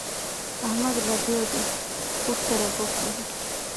احمد لګيا دی؛ اوښ ته رباب وهي.